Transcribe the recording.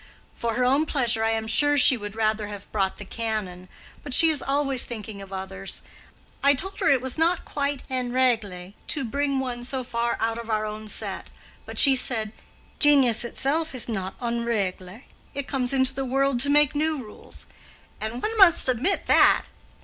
For her own pleasure, I am sure she would rather have brought the Canon; but she is always thinking of others. I told her it was not quite en règle to bring one so far out of our own set; but she said, 'Genius itself is not en règle; it comes into the world to make new rules.' And one must admit that."